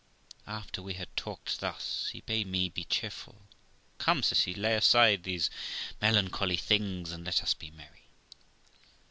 After we had talked thus, he bade me be cheerful. 'Come', says he, lay aside these melancholy things, and let us be merry.'